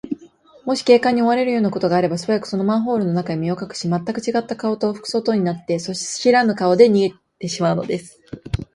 もし警官に追われるようなことがあれば、すばやく、そのマンホールの中へ身をかくし、まったくちがった顔と服装とになって、そしらぬ顔で逃げてしまうのです。